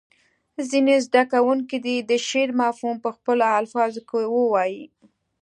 ځینې زده کوونکي دې د شعر مفهوم په خپلو الفاظو ووایي.